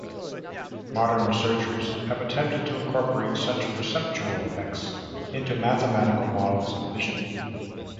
Modern researchers have attempted to incorporate such perceptual effects into mathematical models of vision.